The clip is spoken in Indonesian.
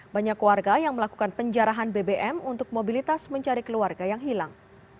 banyak warga yang melakukan penjarahan bbm untuk mobilitas mencari keluarga yang hilang